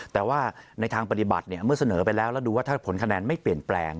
แต่ว่าในทางปฏิบัติเมื่อเสนอไปแล้วแล้วดูว่าถ้าผลคะแนนไม่เปลี่ยนแปลง